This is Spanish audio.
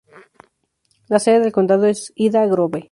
La sede del condado es Ida Grove.